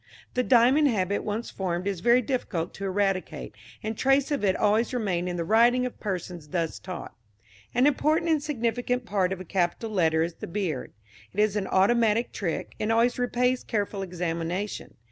The diamond habit once formed is very difficult to eradicate, and traces of it always remain in the writing of persons thus taught. An important and significant part of a capital letter is the beard. It is an automatic trick, and always repays careful examination.